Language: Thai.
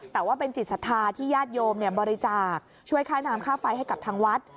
แต่ว่าเป็นจิตศรัทธาที่ญาติโยมบริจาคช่วยค่าน้ำค่าไฟให้กับทางวัด